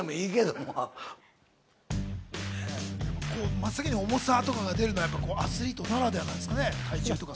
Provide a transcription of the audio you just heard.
真っ先に重さが出るのはアスリートならではなんですかね？